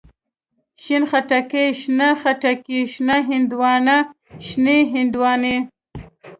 شين خټکی، شنه خټکي، شنه هندواڼه، شنې هندواڼی.